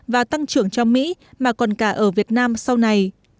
và tăng trưởng cho mỹ mà còn cả ở việt nam sau này